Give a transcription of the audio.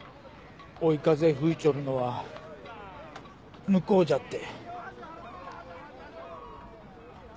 追い風吹いちょるのは向こうじゃって。